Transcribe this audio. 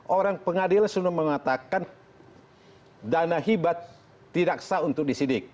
orang pengadilan sudah mengatakan dana hibat tidak sah untuk disidik